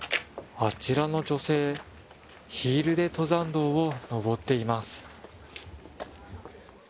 あちらの女性ヒールで登山道を登っています。